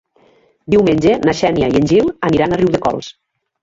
Diumenge na Xènia i en Gil aniran a Riudecols.